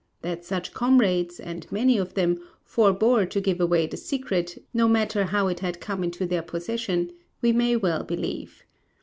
That such comrades, and many of them, forbore to give away the secret, no matter how it had come into their possession, we may well believe.